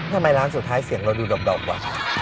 ทำไมร้านสุดท้ายเสียงเราดูดอบว่ะ